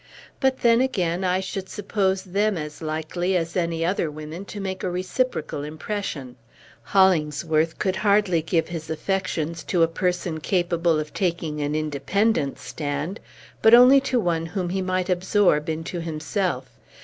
But then, again, I should suppose them as likely as any other women to make a reciprocal impression. Hollingsworth could hardly give his affections to a person capable of taking an independent stand, but only to one whom he might absorb into himself.